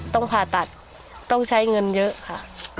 ต้องผ่าตัดต้องใช้เงินเยอะค่ะ